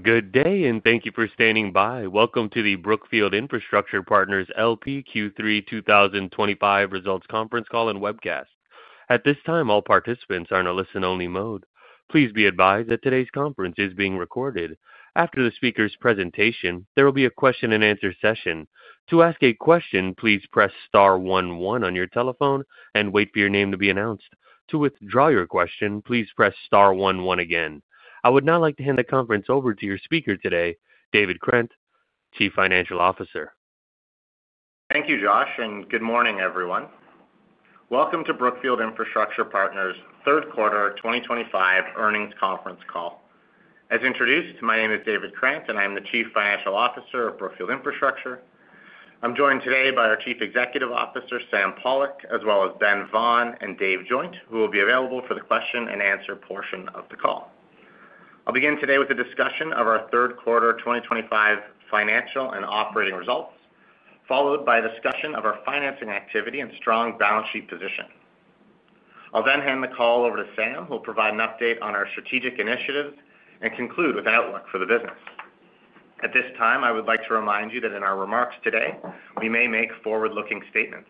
Good day, and thank you for standing by. Welcome to the Brookfield Infrastructure Partners LP Q3 2025 Results Conference Call and Webcast. At this time, all participants are in a listen-only mode. Please be advised that today's conference is being recorded. After the speaker's presentation, there will be a question-and-answer session. To ask a question, please press star 11 on your telephone and wait for your name to be announced. To withdraw your question, please press star 11 again. I would now like to hand the conference over to your speaker today, David Crant, Chief Financial Officer. Thank you, Josh, and good morning, everyone. Welcome to Brookfield Infrastructure Partners' Third Quarter 2025 Earnings Conference Call. As introduced, my name is David Crant, and I'm the Chief Financial Officer of Brookfield Infrastructure. I'm joined today by our Chief Executive Officer, Sam Pollock, as well as Ben Vaughan and Dave Joint, who will be available for the question-and-answer portion of the call. I'll begin today with a discussion of our Third Quarter 2025 financial and operating results, followed by a discussion of our financing activity and strong balance sheet position. I'll then hand the call over to Sam, who will provide an update on our strategic initiatives and conclude with an outlook for the business. At this time, I would like to remind you that in our remarks today, we may make forward-looking statements.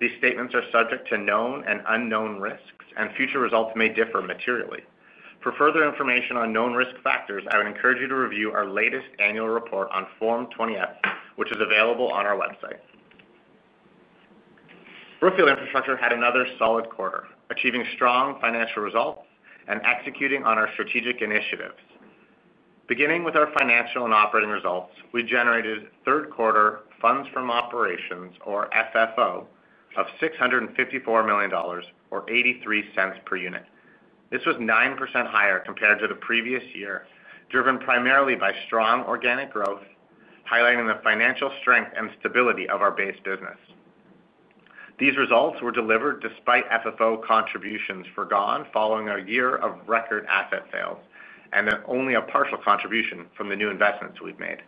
These statements are subject to known and unknown risks, and future results may differ materially. For further information on known risk factors, I would encourage you to review our latest annual report on Form 20-F, which is available on our website. Brookfield Infrastructure had another solid quarter, achieving strong financial results and executing on our strategic initiatives. Beginning with our financial and operating results, we generated third quarter Funds from Operations, or FFO, of $654 million or $0.83 per unit. This was 9% higher compared to the previous year, driven primarily by strong organic growth, highlighting the financial strength and stability of our base business. These results were delivered despite FFO contributions forgone following a year of record asset sales, and only a partial contribution from the new investments we have made.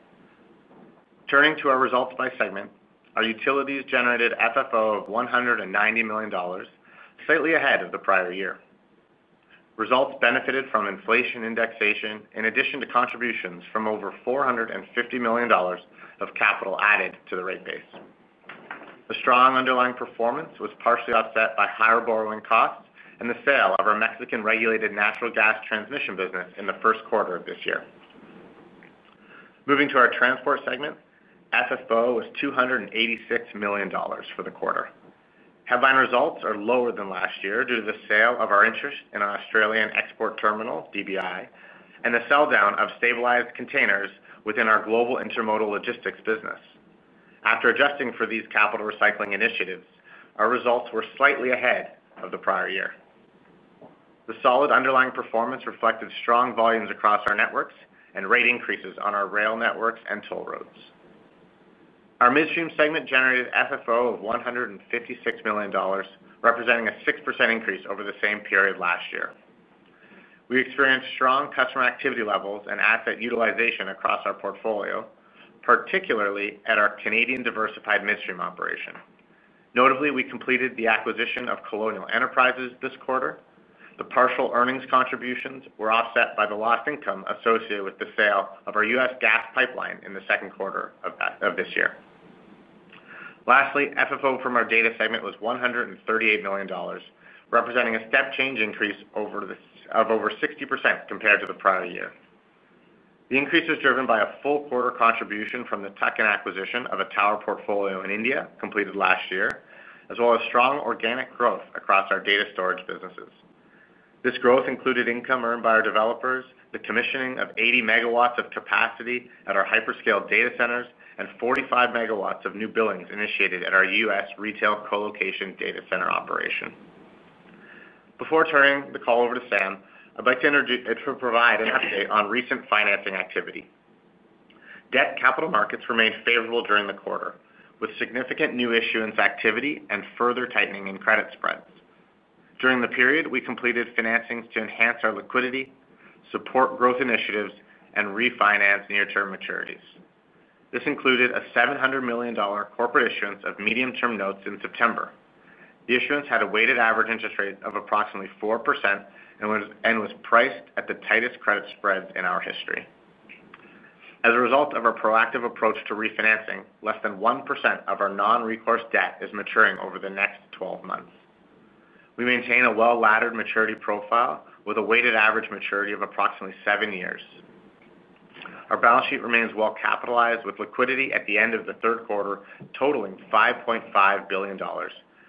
Turning to our results by segment, our utilities generated FFO of $190 million, slightly ahead of the prior year. Results benefited from inflation indexation, in addition to contributions from over $450 million of capital added to the rate base. The strong underlying performance was partially offset by higher borrowing costs and the sale of our Mexican-regulated natural gas transmission business in the first quarter of this year. Moving to our transport segment, FFO was $286 million for the quarter. Headline results are lower than last year due to the sale of our interest in an Australian export terminal, DBI, and the sell-down of stabilized containers within our global intermodal logistics business. After adjusting for these capital recycling initiatives, our results were slightly ahead of the prior year. The solid underlying performance reflected strong volumes across our networks and rate increases on our rail networks and toll roads. Our midstream segment generated FFO of $156 million, representing a 6% increase over the same period last year. We experienced strong customer activity levels and asset utilization across our portfolio, particularly at our Canadian diversified midstream operation. Notably, we completed the acquisition of Colonial Enterprises this quarter. The partial earnings contributions were offset by the lost income associated with the sale of our U.S. gas pipeline in the second quarter of this year. Lastly, FFO from our data segment was $138 million, representing a step-change increase of over 60% compared to the prior year. The increase was driven by a full quarter contribution from the tuck-in acquisition of a tower portfolio in India completed last year, as well as strong organic growth across our data storage businesses. This growth included income earned by our developers, the commissioning of 80 megawatts of capacity at our hyperscale data centers, and 45 megawatts of new billings initiated at our U.S. retail colocation data center operation. Before turning the call over to Sam, I'd like to provide an update on recent financing activity. Debt capital markets remained favorable during the quarter, with significant new issuance activity and further tightening in credit spreads. During the period, we completed financings to enhance our liquidity, support growth initiatives, and refinance near-term maturities. This included a $700 million corporate issuance of medium-term notes in September. The issuance had a weighted average interest rate of approximately 4% and was priced at the tightest credit spreads in our history. As a result of our proactive approach to refinancing, less than 1% of our non-recourse debt is maturing over the next 12 months. We maintain a well-laddered maturity profile with a weighted average maturity of approximately seven years. Our balance sheet remains well-capitalized, with liquidity at the end of the third quarter totaling $5.5 billion,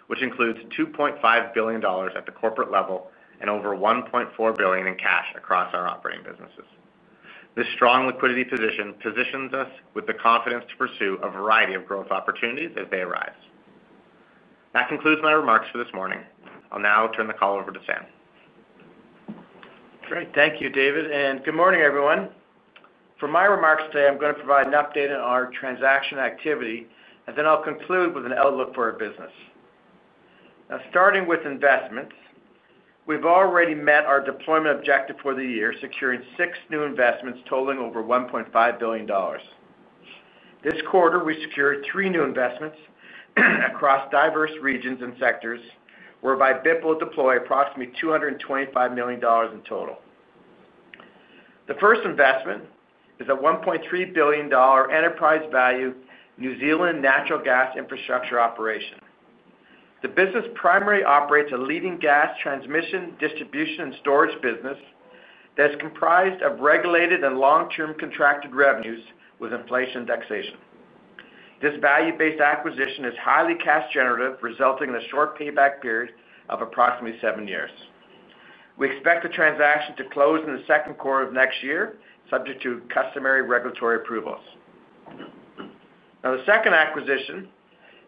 which includes $2.5 billion at the corporate level and over $1.4 billion in cash across our operating businesses. This strong liquidity position positions us with the confidence to pursue a variety of growth opportunities as they arise. That concludes my remarks for this morning. I'll now turn the call over to Sam. Great. Thank you, David. Good morning, everyone. For my remarks today, I'm going to provide an update on our transaction activity, and then I'll conclude with an outlook for our business. Now, starting with investments, we've already met our deployment objective for the year, securing six new investments totaling over $1.5 billion. This quarter, we secured three new investments across diverse regions and sectors, whereby BIP will deploy approximately $225 million in total. The first investment is a $1.3 billion enterprise value New Zealand natural gas infrastructure operation. The business primarily operates a leading gas transmission, distribution, and storage business that is comprised of regulated and long-term contracted revenues with inflation indexation. This value-based acquisition is highly cash-generative, resulting in a short payback period of approximately seven years. We expect the transaction to close in the second quarter of next year, subject to customary regulatory approvals. Now, the second acquisition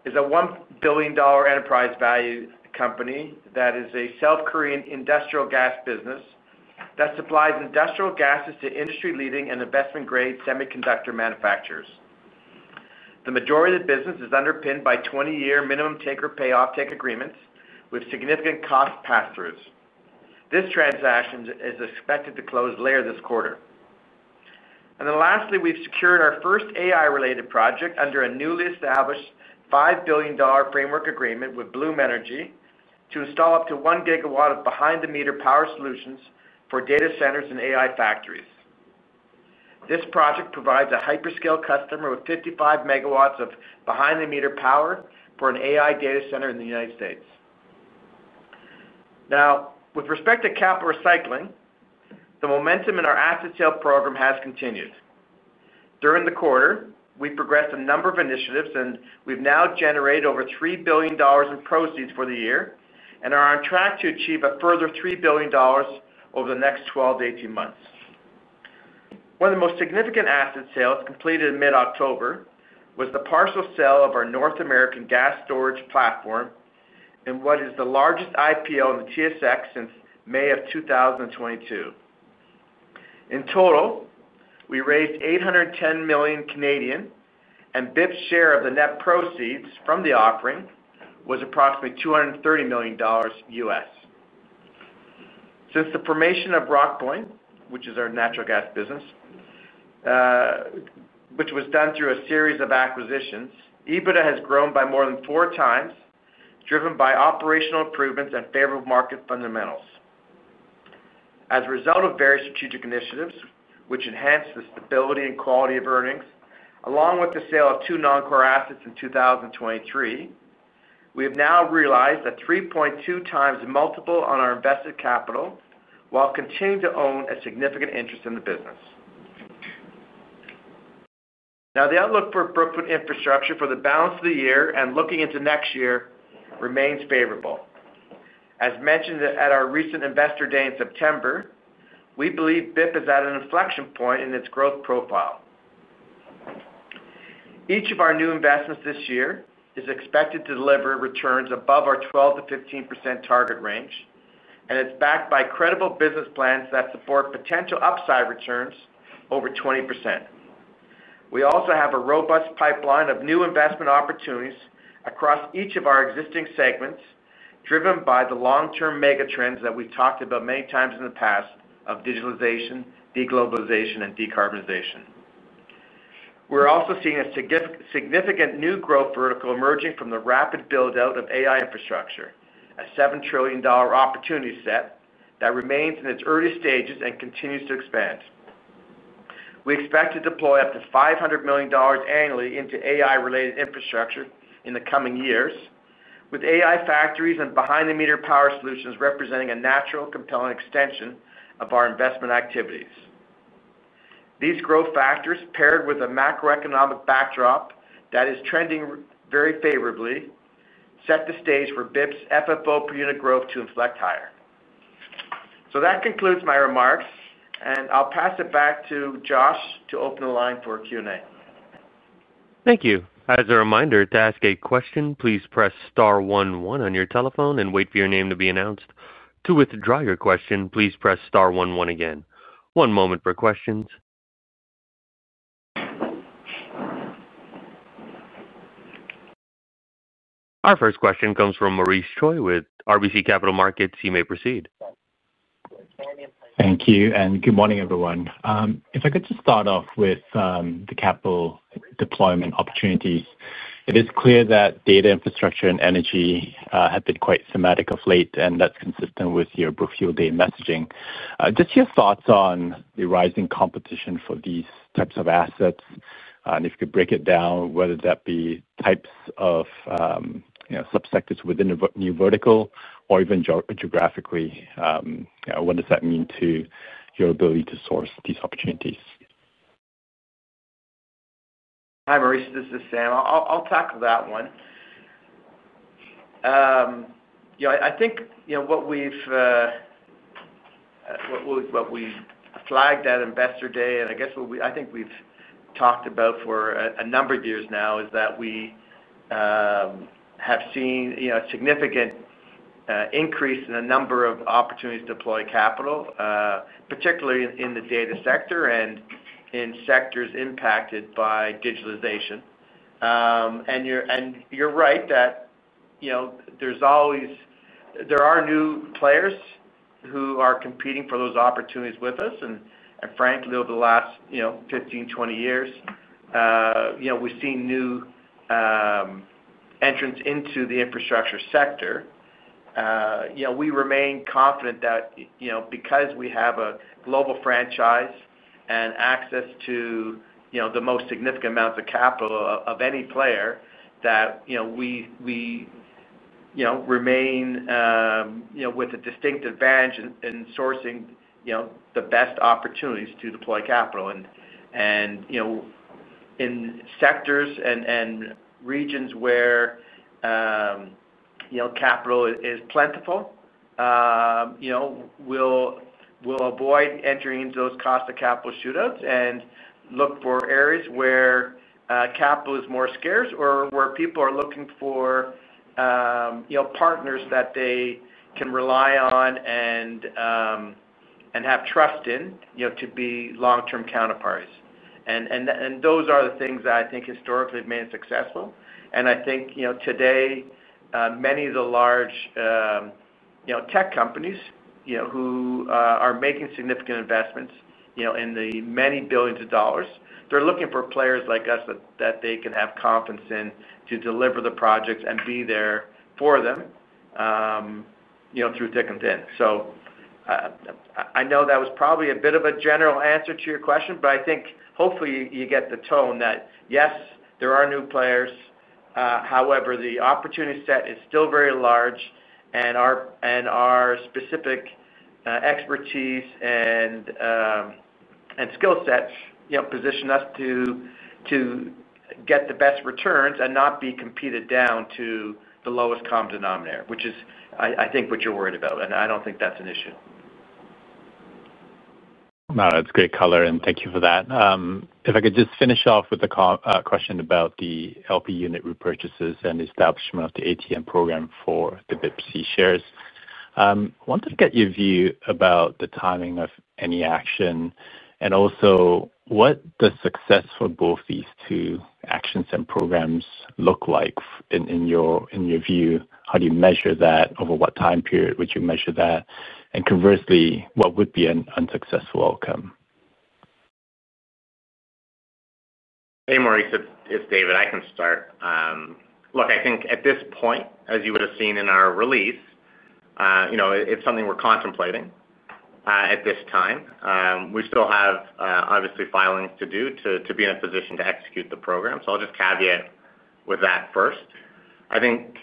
is a $1 billion enterprise value company that is a South Korean industrial gas business that supplies industrial gases to industry-leading and investment-grade semiconductor manufacturers. The majority of the business is underpinned by 20-year minimum take or pay off take agreements with significant cost pass-throughs. This transaction is expected to close later this quarter. Lastly, we've secured our first AI-related project under a newly established $5 billion framework agreement with Bloom Energy to install up to 1 GW of behind-the-meter power solutions for data centers and AI factories. This project provides a hyperscale customer with 55 MW of behind-the-meter power for an AI data center in the United States. Now, with respect to capital recycling, the momentum in our asset sale program has continued. During the quarter, we progressed a number of initiatives, and we've now generated over $3 billion in proceeds for the year and are on track to achieve a further $3 billion over the next 12-18 months. One of the most significant asset sales completed in mid-October was the partial sale of our North American gas storage platform and what is the largest IPO in the TSX since May of 2022. In total, we raised 810 million, and BIP's share of the net proceeds from the offering was approximately $230 million. Since the formation of RockPoint, which is our natural gas business, which was done through a series of acquisitions, EBITDA has grown by more than four times, driven by operational improvements and favorable market fundamentals. As a result of various strategic initiatives, which enhanced the stability and quality of earnings, along with the sale of two non-core assets in 2023, we have now realized a 3.2 times multiple on our invested capital while continuing to own a significant interest in the business. Now, the outlook for Brookfield Infrastructure for the balance of the year and looking into next year remains favorable. As mentioned at our recent investor day in September, we believe BIP is at an inflection point in its growth profile. Each of our new investments this year is expected to deliver returns above our 12%-15% target range, and it's backed by credible business plans that support potential upside returns over 20%. We also have a robust pipeline of new investment opportunities across each of our existing segments, driven by the long-term mega trends that we've talked about many times in the past of digitalization, deglobalization, and decarbonization. We're also seeing a significant new growth vertical emerging from the rapid build-out of AI infrastructure, a $7 trillion opportunity set that remains in its early stages and continues to expand. We expect to deploy up to $500 million annually into AI-related infrastructure in the coming years, with AI factories and behind-the-meter power solutions representing a natural compelling extension of our investment activities. These growth factors, paired with a macroeconomic backdrop that is trending very favorably, set the stage for BIP's FFO per unit growth to inflect higher. That concludes my remarks, and I'll pass it back to Josh to open the line for a Q&A. Thank you. As a reminder, to ask a question, please press star one one on your telephone and wait for your name to be announced. To withdraw your question, please press star one one again. One moment for questions. Our first question comes from Maurice Choy with RBC Capital Markets. You may proceed. Thank you, and good morning, everyone. If I could just start off with the capital deployment opportunities, it is clear that data infrastructure and energy have been quite thematic of late, and that's consistent with your Brookfield Day messaging. Just your thoughts on the rising competition for these types of assets, and if you could break it down, whether that be types of subsectors within a new vertical or even geographically, what does that mean to your ability to source these opportunities? Hi, Maurice. This is Sam. I'll tackle that one. I think what we've flagged at Investor Day, and I guess I think we've talked about for a number of years now, is that we have seen a significant increase in the number of opportunities to deploy capital, particularly in the data sector and in sectors impacted by digitalization. You're right that there are new players who are competing for those opportunities with us. Frankly, over the last 15-20 years, we've seen new entrants into the infrastructure sector. We remain confident that because we have a global franchise and access to the most significant amounts of capital of any player, we remain with a distinct advantage in sourcing the best opportunities to deploy capital. In sectors and regions where capital is plentiful, we'll avoid entering into those cost-of-capital shootouts and look for areas where capital is more scarce or where people are looking for partners that they can rely on and have trust in to be long-term counterparties. Those are the things that I think historically have made us successful. I think today, many of the large tech companies who are making significant investments in the many billions of dollars, they're looking for players like us that they can have confidence in to deliver the projects and be there for them through thick and thin. I know that was probably a bit of a general answer to your question, but I think hopefully you get the tone that, yes, there are new players. However, the opportunity set is still very large, and our specific expertise and skill sets position us to get the best returns and not be competed down to the lowest common denominator, which is, I think, what you're worried about. I don't think that's an issue. No, that's great color, and thank you for that. If I could just finish off with a question about the LP unit repurchases and the establishment of the ATM program for the BIPC shares. I wanted to get your view about the timing of any action, and also what the success for both these two actions and programs look like in your view. How do you measure that? Over what time period would you measure that? Conversely, what would be an unsuccessful outcome? Hey, Maurice, it's David. I can start. Look, I think at this point, as you would have seen in our release, it's something we're contemplating at this time. We still have, obviously, filings to do to be in a position to execute the program. I'll just caveat with that first. I think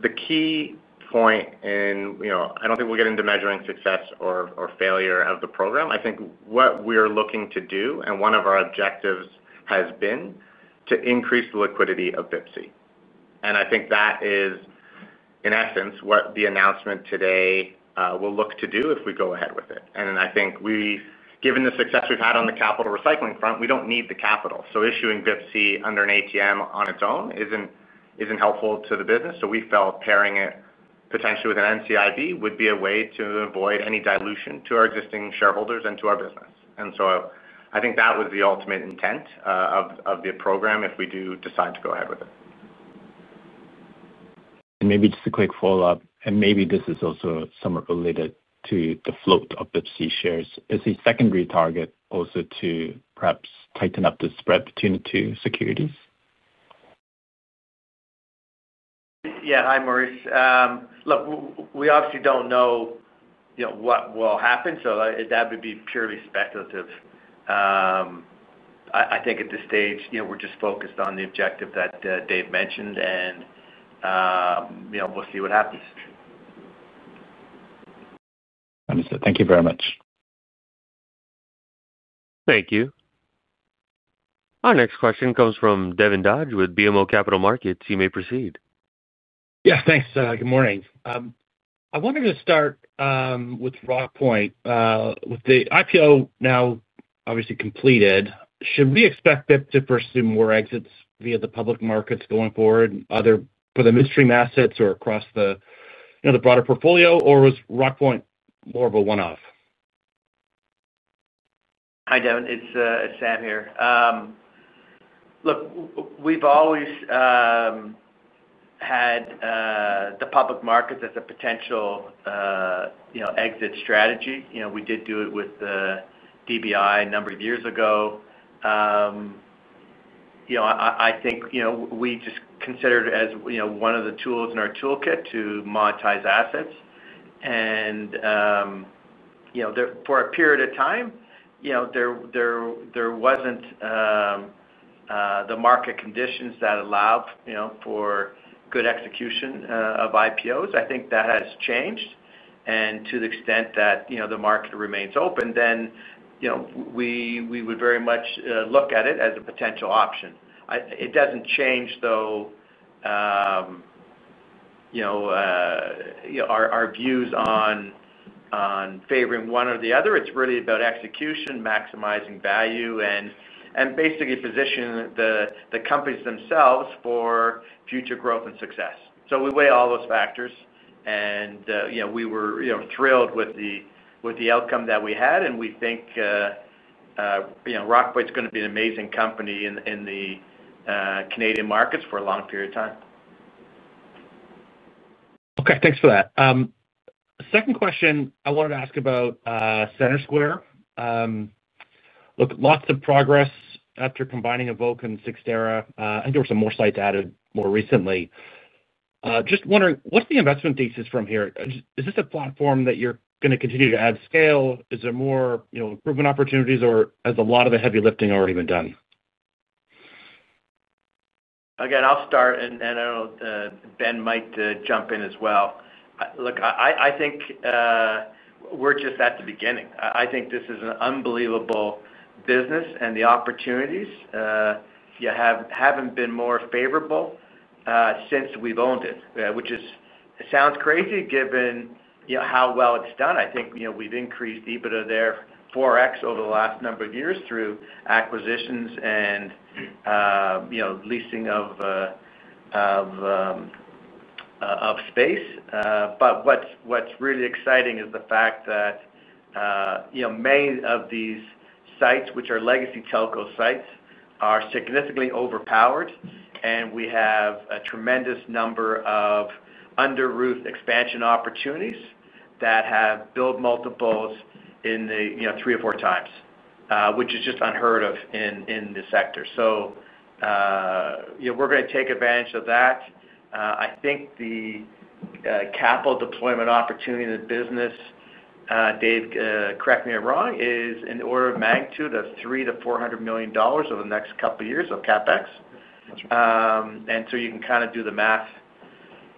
the key point in I don't think we'll get into measuring success or failure of the program. I think what we're looking to do, and one of our objectives has been to increase the liquidity of BIPC. I think that is, in essence, what the announcement today will look to do if we go ahead with it. I think, given the success we've had on the capital recycling front, we don't need the capital. Issuing BIPC under an ATM on its own isn't helpful to the business. We felt pairing it potentially with an NCIB would be a way to avoid any dilution to our existing shareholders and to our business. I think that was the ultimate intent of the program if we do decide to go ahead with it. Maybe just a quick follow-up, and maybe this is also somewhat related to the float of BIPC shares. Is the secondary target also to perhaps tighten up the spread between the two securities? Yeah. Hi, Maurice. Look, we obviously do not know what will happen, so that would be purely speculative. I think at this stage, we are just focused on the objective that Dave mentioned, and we will see what happens. Understood. Thank you very much. Thank you. Our next question comes from Devin Dodge with BMO Capital Markets. You may proceed. Yes, thanks. Good morning. I wanted to start with RockPoint. With the IPO now obviously completed, should we expect BIP to pursue more exits via the public markets going forward, either for the midstream assets or across the broader portfolio, or is RockPoint more of a one-off? Hi, Devin. It's Sam here. Look, we've always had the public markets as a potential exit strategy. We did do it with DBI a number of years ago. I think we just considered it as one of the tools in our toolkit to monetize assets. For a period of time, there were not the market conditions that allowed for good execution of IPOs. I think that has changed, and to the extent that the market remains open, we would very much look at it as a potential option. It does not change, though, our views on favoring one or the other. It is really about execution, maximizing value, and basically positioning the companies themselves for future growth and success. We weigh all those factors, and we were thrilled with the outcome that we had. We think RockPoint's going to be an amazing company in the Canadian markets for a long period of time. Okay. Thanks for that. Second question I wanted to ask about CenterSquare. Look, lots of progress after combining Evoke and Sixtera. I think there were some more sites added more recently. Just wondering, what's the investment thesis from here? Is this a platform that you're going to continue to add scale? Is there more improvement opportunities, or has a lot of the heavy lifting already been done? Again, I'll start, and I don't know if Ben might jump in as well. Look, I think we're just at the beginning. I think this is an unbelievable business, and the opportunities haven't been more favorable since we've owned it, which sounds crazy given how well it's done. I think we've increased EBITDA there 4x over the last number of years through acquisitions and leasing of space. What is really exciting is the fact that many of these sites, which are legacy telco sites, are significantly overpowered, and we have a tremendous number of under-roof expansion opportunities that have build multiples in the three or four times, which is just unheard of in the sector. We are going to take advantage of that. I think the capital deployment opportunity in the business, Dave, correct me if I'm wrong, is in the order of magnitude of $300 million-$400 million over the next couple of years of CapEx. You can kind of do the math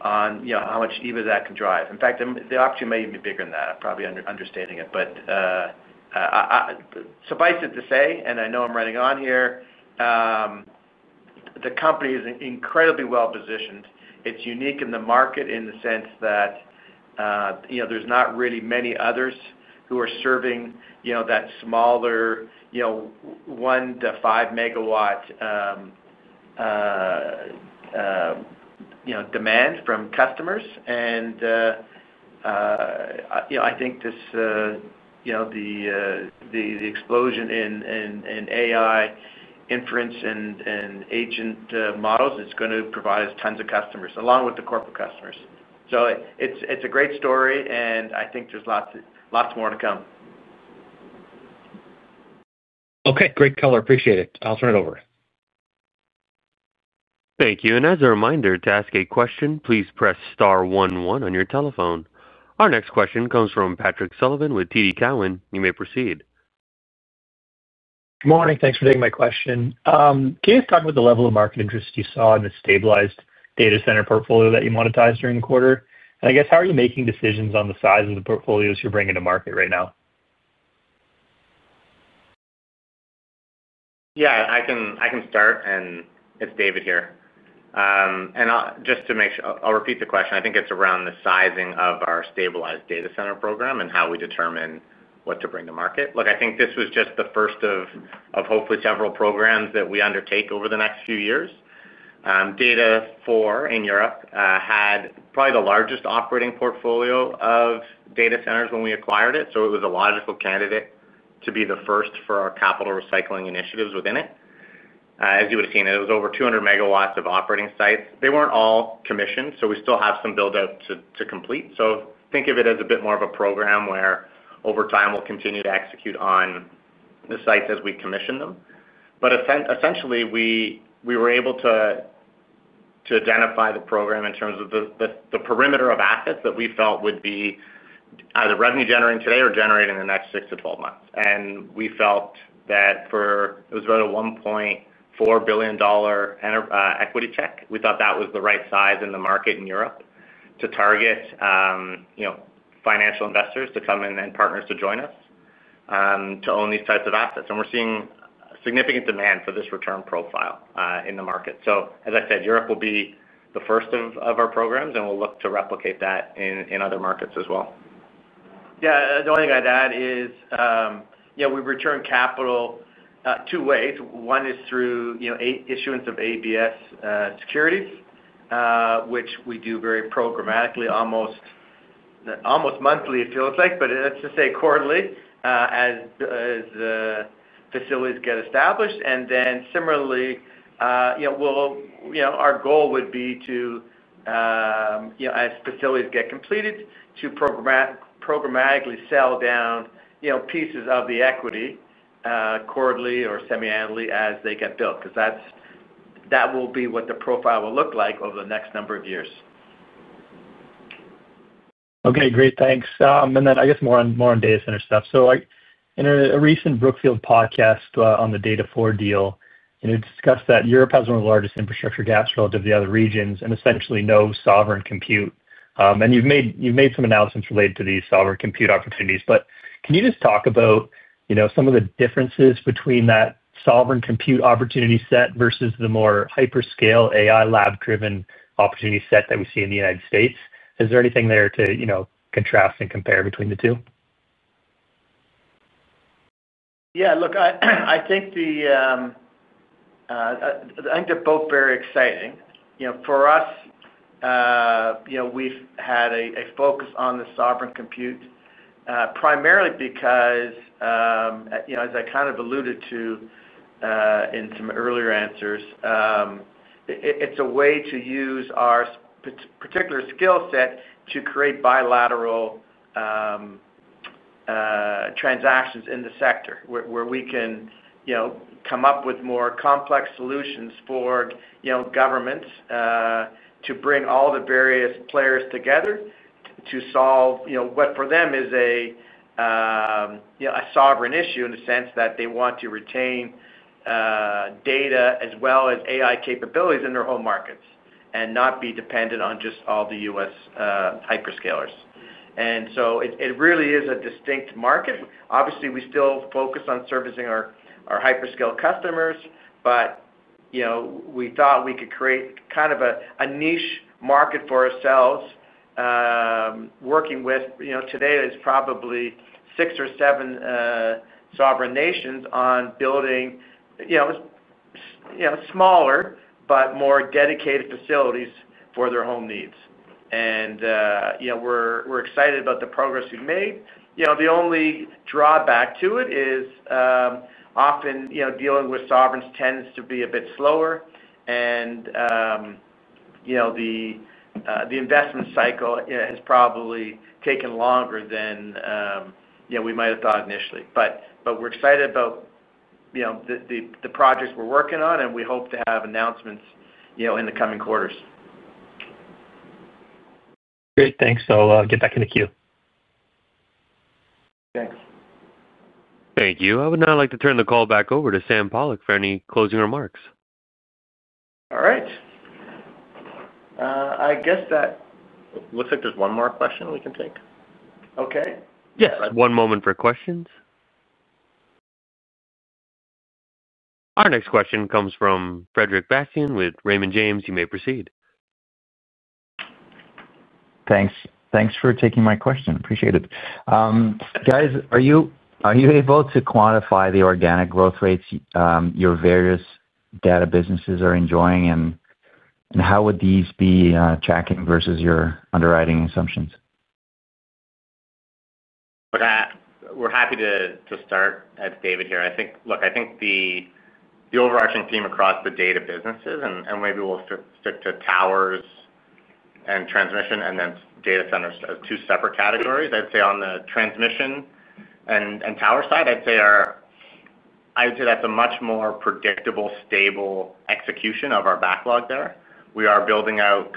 on how much EBITDA that can drive. In fact, the opportunity may even be bigger than that. I'm probably understating it. Suffice it to say, and I know I'm running on here, the company is incredibly well-positioned. It's unique in the market in the sense that there's not really many others who are serving that smaller 1-5 MW demand from customers. I think the explosion in AI inference and agent models is going to provide us tons of customers along with the corporate customers. It's a great story, and I think there's lots more to come. Okay. Great color. Appreciate it. I'll turn it over. Thank you. As a reminder, to ask a question, please press star one one on your telephone. Our next question comes from Patrick Sullivan with TD Cowen. You may proceed. Good morning. Thanks for taking my question. Can you just talk about the level of market interest you saw in the stabilized data center portfolio that you monetized during the quarter? I guess, how are you making decisions on the size of the portfolios you're bringing to market right now? Yeah. I can start, and it's David here. Just to make sure, I'll repeat the question. I think it's around the sizing of our stabilized data center program and how we determine what to bring to market. Look, I think this was just the first of hopefully several programs that we undertake over the next few years. Data4 in Europe had probably the largest operating portfolio of data centers when we acquired it, so it was a logical candidate to be the first for our capital recycling initiatives within it. As you would have seen, it was over 200 MW of operating sites. They were not all commissioned, so we still have some build-out to complete. Think of it as a bit more of a program where, over time, we will continue to execute on the sites as we commission them. Essentially, we were able to identify the program in terms of the perimeter of assets that we felt would be either revenue-generating today or generating in the next 6-12 months. We felt that for it was about a $1.4 billion equity check. We thought that was the right size in the market in Europe to target financial investors to come in and partners to join us to own these types of assets. We are seeing significant demand for this return profile in the market. As I said, Europe will be the first of our programs, and we will look to replicate that in other markets as well. Yeah. The only thing I would add is we return capital two ways. One is through issuance of ABS securities, which we do very programmatically, almost monthly, it feels like, but let's just say quarterly as the facilities get established. Our goal would be to, as facilities get completed, programmatically sell down pieces of the equity quarterly or semi-annually as they get built, because that will be what the profile will look like over the next number of years. Okay. Great. Thanks. I guess more on data center stuff. In a recent Brookfield podcast on the Data4 deal, you discussed that Europe has one of the largest infrastructure gaps relative to the other regions and essentially no sovereign compute. You have made some announcements related to these sovereign compute opportunities. Can you just talk about some of the differences between that sovereign compute opportunity set versus the more hyperscale AI lab-driven opportunity set that we see in the United States? Is there anything there to contrast and compare between the two? Yeah. Look, I think they're both very exciting. For us, we've had a focus on the sovereign compute primarily because, as I kind of alluded to in some earlier answers, it's a way to use our particular skill set to create bilateral transactions in the sector where we can come up with more complex solutions for governments to bring all the various players together to solve what for them is a sovereign issue in the sense that they want to retain data as well as AI capabilities in their home markets and not be dependent on just all the U.S. hyperscalers. It really is a distinct market. Obviously, we still focus on servicing our hyperscale customers, but we thought we could create kind of a niche market for ourselves working with today is probably six or seven sovereign nations on building smaller but more dedicated facilities for their home needs. We are excited about the progress we have made. The only drawback to it is often dealing with sovereigns tends to be a bit slower, and the investment cycle has probably taken longer than we might have thought initially. We are excited about the projects we are working on, and we hope to have announcements in the coming quarters. Great. Thanks. I'll get back into queue. Thanks. Thank you. I would now like to turn the call back over to Sam Pollock for any closing remarks. All right. I guess that looks like there's one more question we can take. Okay. Yes. One moment for questions. Our next question comes from Frederick Bastien with Raymond James. You may proceed. Thanks. Thanks for taking my question. Appreciate it. Guys, are you able to quantify the organic growth rates your various data businesses are enjoying, and how would these be tracking versus your underwriting assumptions? We're happy to start at David here. Look, I think the overarching theme across the data businesses, and maybe we'll stick to towers and transmission and then data centers as two separate categories. I'd say on the transmission and tower side, I'd say that's a much more predictable, stable execution of our backlog there. We are building out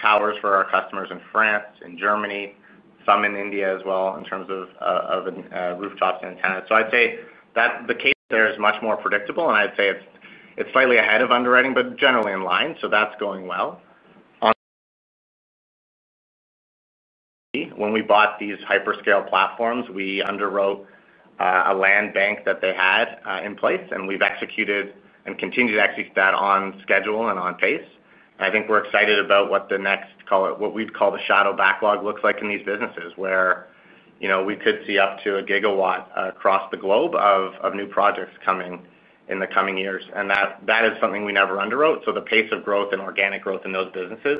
towers for our customers in France, in Germany, some in India as well in terms of rooftops and antennas. I'd say the case there is much more predictable, and I'd say it's slightly ahead of underwriting, but generally in line. That's going well. When we bought these hyperscale platforms, we underwrote a land bank that they had in place, and we've executed and continued to execute that on schedule and on pace. I think we're excited about what the next, what we'd call the shadow backlog looks like in these businesses where we could see up to a gigawatt across the globe of new projects coming in the coming years. That is something we never underwrote. The pace of growth and organic growth in those businesses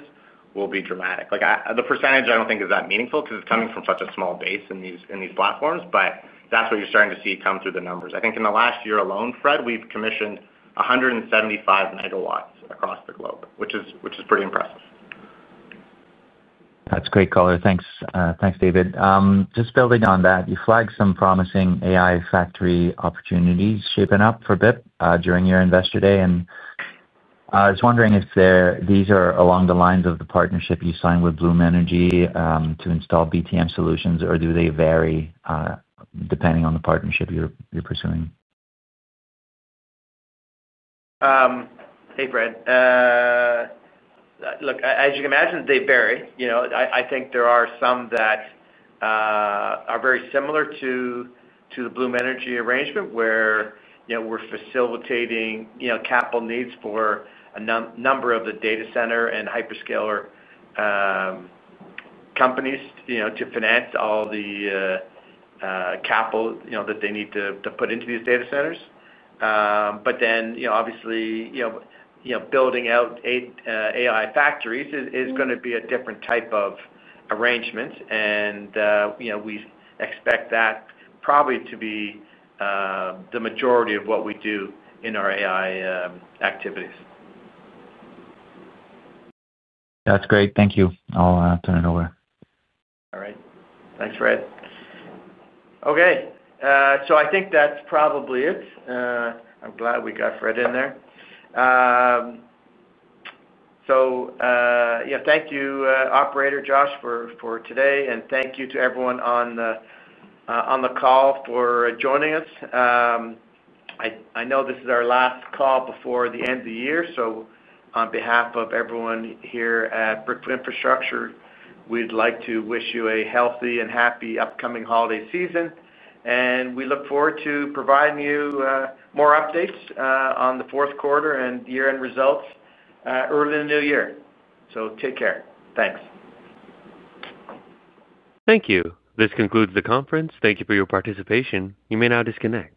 will be dramatic. The percentage, I don't think, is that meaningful because it's coming from such a small base in these platforms, but that's what you're starting to see come through the numbers. I think in the last year alone, Fred, we've commissioned 175 MW across the globe, which is pretty impressive. That's great color. Thanks, David. Just building on that, you flagged some promising AI factory opportunities shaping up for BIP during your investor day. I was wondering if these are along the lines of the partnership you signed with Bloom Energy to install BTM solutions, or do they vary depending on the partnership you're pursuing? Hey, Fred. Look, as you can imagine, they vary. I think there are some that are very similar to the Bloom Energy arrangement where we're facilitating capital needs for a number of the data center and hyperscaler companies to finance all the capital that they need to put into these data centers. Obviously, building out AI factories is going to be a different type of arrangement, and we expect that probably to be the majority of what we do in our AI activities. That's great. Thank you. I'll turn it over. All right. Thanks, Fred. Okay. I think that's probably it. I'm glad we got Fred in there. Thank you, operator Josh, for today, and thank you to everyone on the call for joining us. I know this is our last call before the end of the year. On behalf of everyone here at Brookfield Infrastructure, we'd like to wish you a healthy and happy upcoming holiday season. We look forward to providing you more updates on the fourth quarter and year-end results early in the new year. Take care. Thanks. Thank you. This concludes the conference. Thank you for your participation. You may now disconnect.